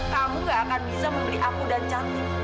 kamu gak akan bisa membeli aku dan cantik